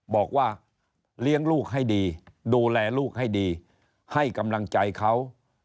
บอกว่าเลี้ยงลูกให้ดีดูแลลูกให้ดีให้กำลังใจเขา